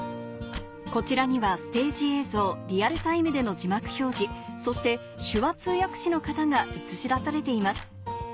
こちらにはステージ映像リアルタイムでの字幕表示そして手話通訳士の方が映し出されています